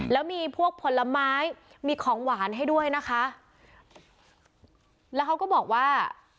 แล้วมีพวกผลไม้มีของหวานให้ด้วยนะคะแล้วเขาก็บอกว่า